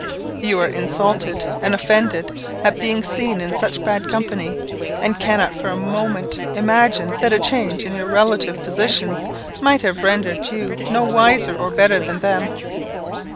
You are insulted and offended at being seen in such bad company; and cannot for a moment, imagine that a change in your relative positions might have rendered you no wiser or better than them.